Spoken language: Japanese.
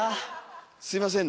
すいませんね。